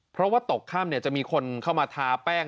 เพราะว่าตกค่ำจะมีคนเข้ามาทาแป้ง